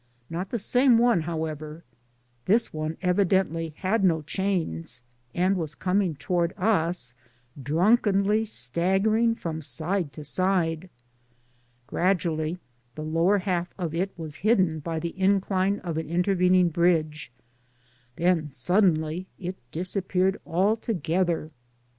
Not the same one however. This one evidently had no chains and was coming to ward us dnmkenly staggering from side to side. Gradually the lower half of it was hidden by the incline of an intervening bridge, then suddenly it disappeared altogether.